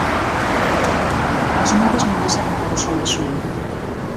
As nubes non deixan entrar o sol de xullo.